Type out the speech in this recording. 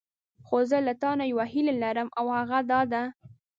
خو زه له تانه یوه هیله لرم او هغه دا ده.